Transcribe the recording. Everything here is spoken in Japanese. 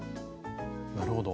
なるほど。